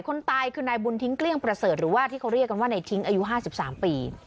คนตายคือนายบุญทิ้งเกลี้ยงประเสริฐหรือว่าที่เขาเรียกกันว่าในทิ้งอายุ๕๓ปี